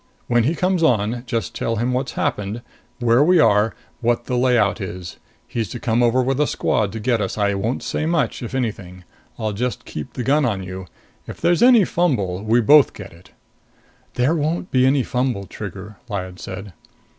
When he comes on, just tell him what's happened, where we are, what the layout is. He's to come over with a squad to get us. I won't say much, if anything. I'll just keep the gun on you. If there's any fumble, we both get it." "There won't be any fumble, Trigger," Lyad said.